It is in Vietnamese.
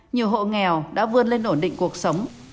nhiều hộ nghèo đã vươn lên ổn định cuộc sống